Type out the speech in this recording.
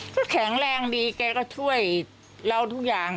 ก็แข็งแรงดีแกก็ช่วยเราทุกอย่าง